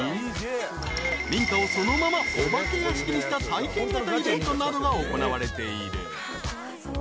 ［民家をそのままお化け屋敷にした体験型イベントなどが行われている］